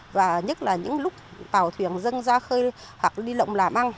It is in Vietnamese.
và nhất là những lúc tàu thuyền dân ra khơi hoặc đi lộng làm ăn